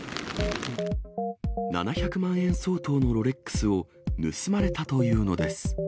７００万円相当のロレックスを盗まれたというのです。